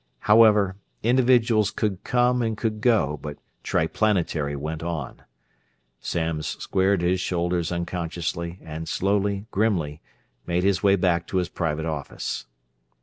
However, individuals could came and could go, but Triplanetary went on. Samms squared his shoulders unconsciously, and slowly, grimly, made his way back to his private office.